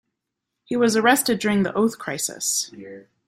He was arrested during the Oath Crisis.